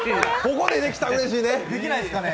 ここでできたらうれしいね。